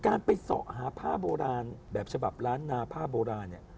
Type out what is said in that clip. การไปเสาะหาผ้าโบราณแบบฉบับล้านนาผ้าโบราณเนี่ย